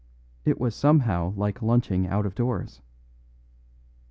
It was somehow like lunching out of doors.